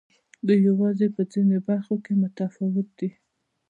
دوی یوازې په ځینو برخو کې متفاوت دي.